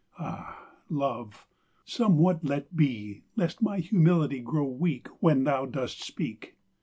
Ah, Love! somewhat let be! Lest my humility Grow weak When Thou dost speak!